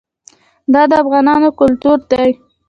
دا د افغانانو کلتور دی.